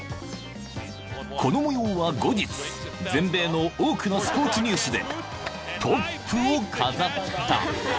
［この模様は後日全米の多くのスポーツニュースでトップを飾った］